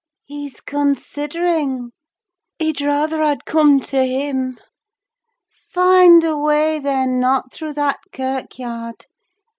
"He's considering—he'd rather I'd come to him! Find a way, then! not through that kirkyard.